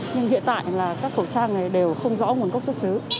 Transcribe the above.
nhưng hiện tại là các khẩu trang này đều không rõ nguồn gốc xuất xứ